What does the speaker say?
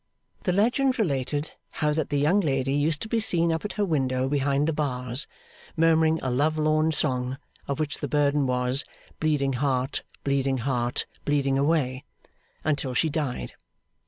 The legend related how that the young lady used to be seen up at her window behind the bars, murmuring a love lorn song of which the burden was, 'Bleeding Heart, Bleeding Heart, bleeding away,' until she died.